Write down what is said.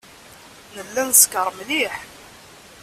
Nella neskeṛ mliḥ.